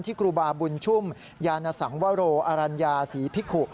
ครูบาบุญชุ่มยานสังวโรอรัญญาศรีพิกุ